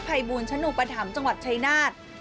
ภัยบูรณชนุปธรรมจังหวัดชายนาฏ